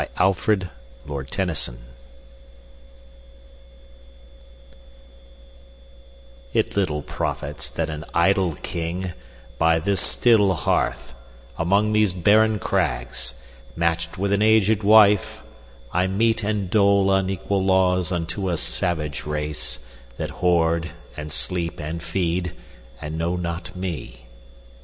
Alfred, Lord Tennyson Ulysses IT LITTLE profits that an idle king, By this still hearth, among these barren crags, Match'd with an aged wife, I mete and dole Unequal laws unto a savage race, That hoard, and sleep, and feed, and know not me.